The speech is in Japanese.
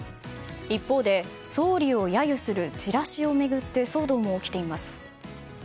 一方で、総理を揶揄するチラシを巡って騒動も起きています。